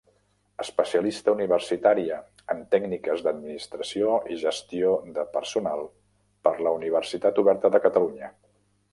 Especialista universitària en Tècniques d'Administració i Gestió de Personal per la Universitat Oberta de Catalunya.